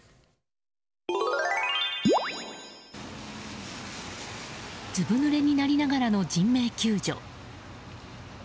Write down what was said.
ずぶ濡れになりながらの人命救助。